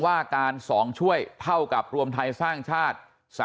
ว่าการ๒ช่วยเท่ากับรวมไทยสร้างชาติ